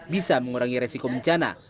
bisa mengurangi resiko bencana